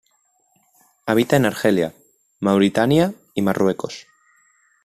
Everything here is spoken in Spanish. Habita en Argelia, Mauritania y Marruecos.